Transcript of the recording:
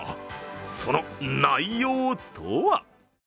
その内容とは？